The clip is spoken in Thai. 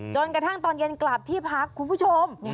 จนกระทั่งตอนเย็นกลับที่พักคุณผู้ชม